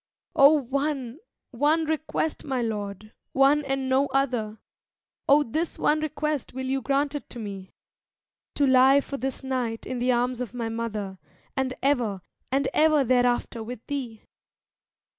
'O one, one request, my lord, one and no other, O this one request will you grant it to me? To lie for this night in the arms of my mother, And ever, and ever thereafter with thee.'